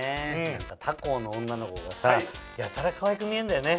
何か他校の女の子がさやたらかわいく見えんだよね。